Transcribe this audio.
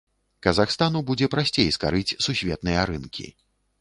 Казахстану будзе прасцей скарыць сусветныя рынкі.